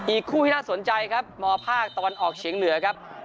อีกคู่ที่น่าสนใจครับมภาคตะวันออกเฉียงเหนือครับ